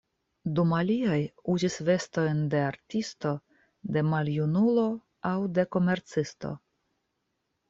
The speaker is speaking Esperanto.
Dum aliaj uzis vestojn de artisto, de maljunulo aŭ de komercisto.